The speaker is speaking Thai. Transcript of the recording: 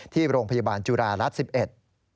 ที่โรงพยาบาลจุฬารัฐ๑๑